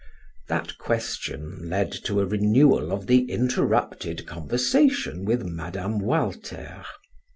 That question led to a renewal of the interrupted conversation with Mme. Walter.